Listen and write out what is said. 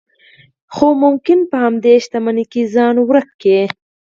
خو ممکن په همدې شتمنۍ کې ځان ورک کړئ.